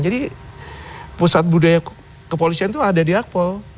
jadi pusat budaya kepolisian itu ada di akpol